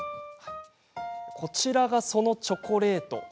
こちらが、そのチョコレート。